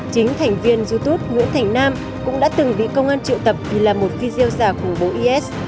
chính thành viên youtube nguyễn thành nam cũng đã từng bị công an triệu tập vì là một video giả khủng bố is